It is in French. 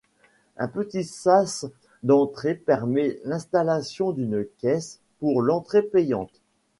Un petit sas d'entrée permet l'installation d'une caisse pour l'entrée payante.